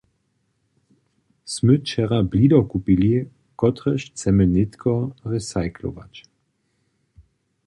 Smy wčera blido kupili, kotrež chcemy nětko recyclować.